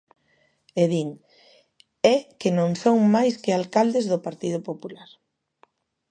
E din: é que non son máis que alcaldes do Partido Popular.